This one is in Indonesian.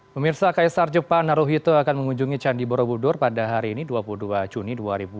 pemirsa kaisar jepang naruhito akan mengunjungi candi borobudur pada hari ini dua puluh dua juni dua ribu dua puluh